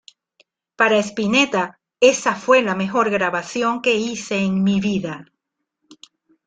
Para Spinetta "esa fue la mejor grabación que hice en mi vida".